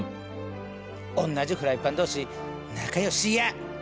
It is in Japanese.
おんなじフライパン同士仲ようしいや。